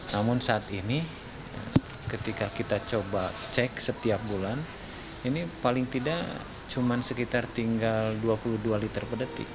namun saat ini ketika kita coba cek setiap bulan ini paling tidak cuma sekitar tinggal dua puluh dua liter per detik